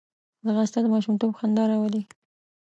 ځغاسته د ماشومتوب خندا راولي